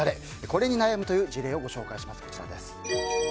これに悩むという事例をご紹介します。